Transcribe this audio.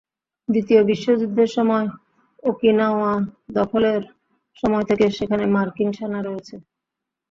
দ্বিতীয় বিশ্বযুদ্ধের সময় ওকিনাওয়া দখলের সময় থেকে সেখানে মার্কিন সেনা রয়েছে।